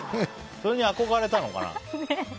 それに憧れたのかな。